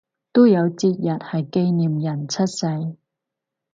都有節日係紀念人出世